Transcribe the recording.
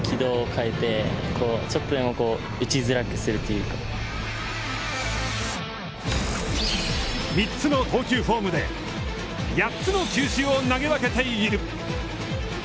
その投球は３つの投球フォームで８つの球種を投げ分けている。